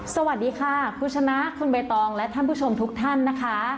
สวัสดีค่ะคุณชนะคุณใบตองและท่านผู้ชมทุกท่านนะคะ